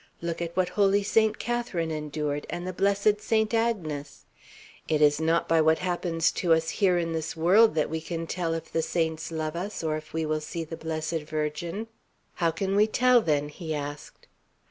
Look at what holy Saint Catharine endured, and the blessed Saint Agnes. It is not by what happens to us here in this world that we can tell if the saints love us, or if we will see the Blessed Virgin." "How can we tell, then?" he asked.